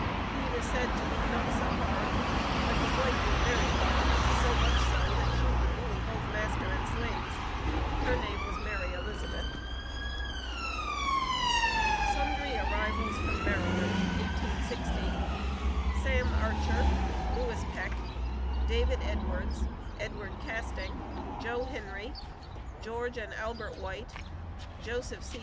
He was said to be not so hard, but his wife was very hard, so much so, that she would rule both master and slaves. Her name was Mary Elizabeth. SUNDRY ARRIVALS FROM MARYLAND, 1860. SAM ARCHER, LEWIS PECK, DAVID EDWARDS, EDWARD CASTING, JOE HENRY, GEORGE AND ALBERT WHITE, JOSEPH C.